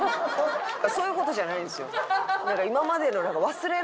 そういう事じゃないんですよ。